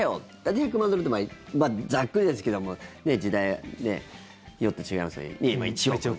１００万ドルってざっくりですけども時代によって違いますけども今、１億。